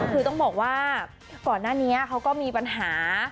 คือต้องบอกว่าก่อนหน้านี้เขาก็มีปัญหา